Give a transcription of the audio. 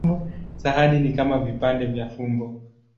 Sahani ni kama vipande vya fumbo.